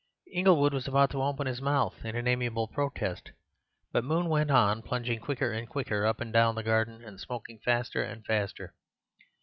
Inglewood was about to open his mouth in an amiable protest, but Moon went on, plunging quicker and quicker up and down the garden and smoking faster and faster.